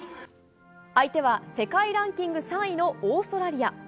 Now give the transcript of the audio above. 相手は世界ランキング３位のオーストラリア。